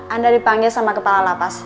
anda dipanggil sama kepala lapas